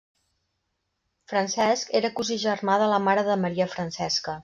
Francesc era cosí germà de la mare de Maria Francesca.